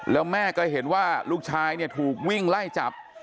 แล้วแม่ก็เห็นว่าลูกชายเนี่ยถูกวิ่งไล่จับ